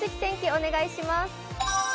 お願いします。